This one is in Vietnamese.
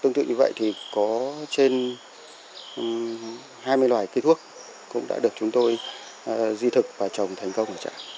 tương tự như vậy thì có trên hai mươi loài cây thuốc cũng đã được chúng tôi di thực và trồng thành công ở trạm